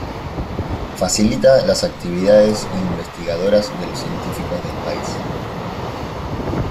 Facilita las actividades investigadoras de los científicos del país.